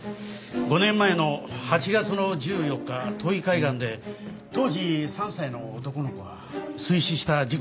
５年前の８月の１４日土肥海岸で当時３歳の男の子が水死した事故がありました。